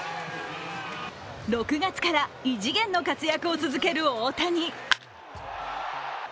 ６月から異次元の活躍を続ける大谷